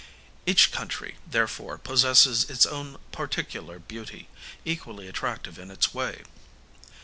Each country, therefore, possesses its own particular beauty, equally attractive in its way.